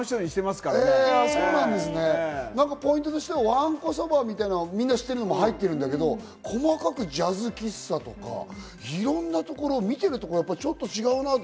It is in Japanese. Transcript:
ポイントとしては、わんこそばみたいな、みんな知っているのも入ってるけど、細かくジャズ喫茶とか、いろんなところを見ているところ、ちょっと違うなって。